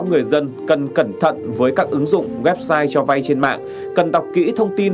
người dân cần cẩn thận với các ứng dụng website cho vay trên mạng cần đọc kỹ thông tin